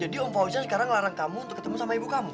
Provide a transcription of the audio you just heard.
jadi om fauzan sekarang ngelarang kamu untuk ketemu sama ibu kamu